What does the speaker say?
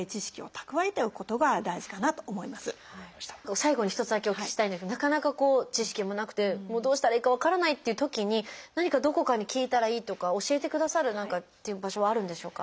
最後に一つだけお聞きしたいんですけどなかなかこう知識もなくてもうどうしたらいいか分からないっていうときに何かどこかに聞いたらいいとか教えてくださるっていう場所はあるんでしょうか？